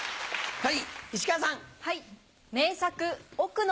はい。